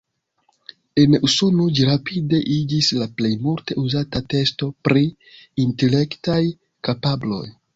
En Usono ĝi rapide iĝis la plej multe uzata testo pri intelektaj kapabloj.